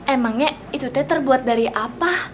emangnya itu teh terbuat dari apa